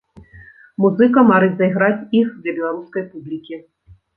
Музыка марыць зайграць іх для беларускай публікі.